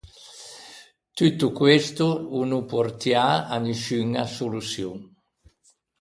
Tutto questo o no portià à nisciuña soluçion.